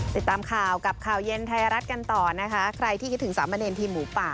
ติดตามข่าวกับข่าวเย็นไทยรัฐกันต่อนะคะใครที่คิดถึงสามเณรทีมหมูป่า